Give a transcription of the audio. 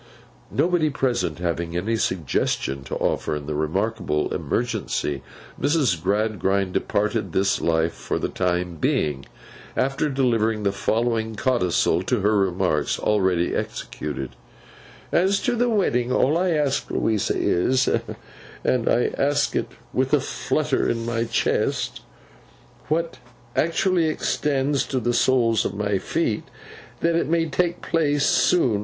Nobody present having any suggestion to offer in the remarkable emergency, Mrs. Gradgrind departed this life for the time being, after delivering the following codicil to her remarks already executed: 'As to the wedding, all I ask, Louisa, is,—and I ask it with a fluttering in my chest, which actually extends to the soles of my feet,—that it may take place soon.